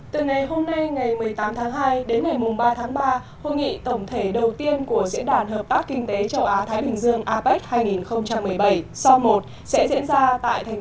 từ ngày hôm nay ngày một mươi tám tháng hai đến ngày mùng ba tháng ba